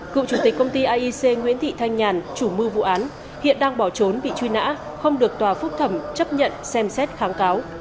cựu chủ tịch công ty aic nguyễn thị thanh nhàn chủ mưu vụ án hiện đang bỏ trốn bị truy nã không được tòa phúc thẩm chấp nhận xem xét kháng cáo